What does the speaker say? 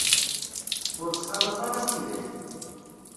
Ur ttxalaḍ ara tidak.